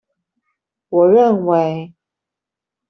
我認為